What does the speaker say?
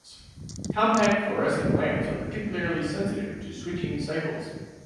Compact fluorescent lamps are particularly sensitive to switching cycles.